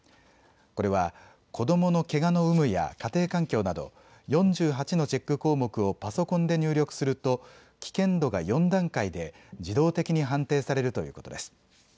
これは子どものけがの有無や家庭環境など４８のチェック項目をパソコンで入力すると危険度が４段階で自動的に判定されるということです。